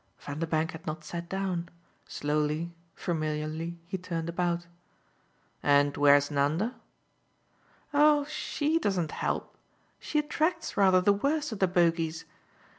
Vanderbank had not sat down; slowly, familiarly he turned about. "And where's Nanda?" "Oh SHE doesn't help she attracts rather the worst of the bogies.